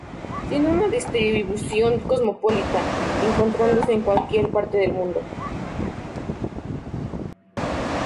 Tiene una distribución cosmopolita, encontrándose en cualquier parte del mundo.